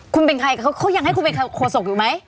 คุณเป็นใครเขายังให้คุณเป็นโคศกอยู่ไหม